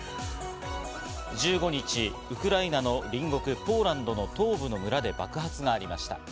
１５日、ウクライナの隣国、ポーランドの東部の村で爆発がありました。